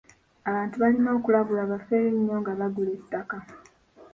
Abantu balina okulabulwa bafeeyo nnyo nga bagula ettaka.